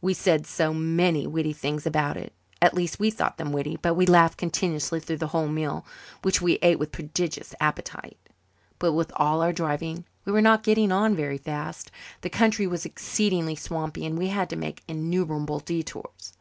We said so many witty things about it at least, we thought them witty that we laughed continuously through the whole meal, which we ate with prodigious appetite. But with all our driving we were not getting on very fast. The country was exceedingly swampy and we had to make innumerable detours.